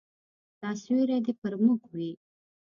ستا سیوری دي پر موږ وي